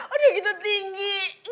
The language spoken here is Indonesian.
oh dia gitu tinggi